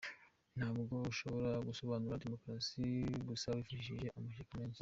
Ntabwo ushobora gusobanura Demokarasi gusa wifashishije amashyaka menshi.